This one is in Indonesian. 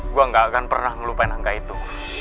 gue gak akan pernah ngelupain angga itu